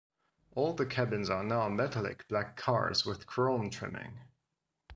All the cabins are now metallic black cars with chrome trimming.